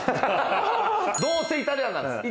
どうせイタリアなんです